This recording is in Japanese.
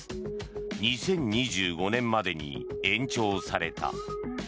２０２５年までに延長された。